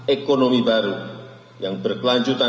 ekonomi baru yang berkelanjutan